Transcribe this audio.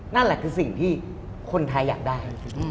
นั่นแหละคือสิ่งที่คนไทยอยากได้